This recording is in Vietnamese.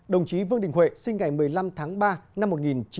đồng chí vương đình huệ sinh ngày một mươi năm tháng ba năm một nghìn chín trăm bảy mươi